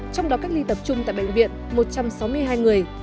trong đó cách ly tập trung tại bệnh viện một trăm sáu mươi hai người